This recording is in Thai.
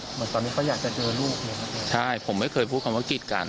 เหมือนตอนนี้เขาอยากจะเจอลูกเลยครับใช่ผมไม่เคยพูดคำว่ากีดกัน